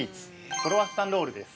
クロワッサンロールです。